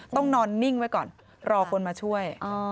ต้องนอนนิ่งไว้ก่อนรอคนมาช่วย